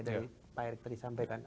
dari pak erick tadi sampaikan